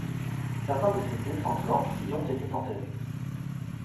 Certains de ses descendant y ont été enterrés.